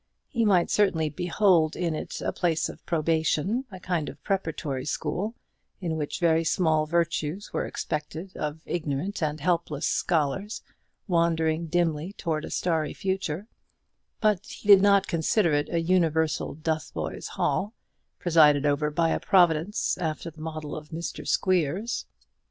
He might certainly behold in it a place of probation, a kind of preparatory school, in which very small virtues were expected of ignorant and helpless scholars, wandering dimly towards a starry future: but he did not consider it a universal Dotheboys Hall, presided over by a Providence after the model of Mr. Squeers.